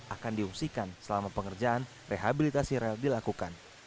akan diungsikan selama pengerjaan rehabilitasi rel dilakukan